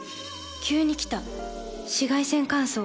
急に来た紫外線乾燥。